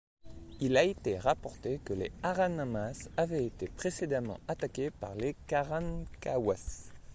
Il a été rapporté que les Aranamas avaient été précédemment attaqués par les Karankawas.